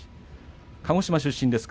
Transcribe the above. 鹿児島出身です。